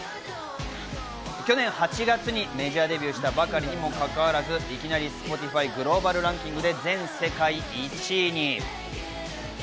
去年８月にメジャーデビューしたばかりにもかかわらず、いきなりＳｐｏｔｉｆｙグローバルランキングで全世界１位に。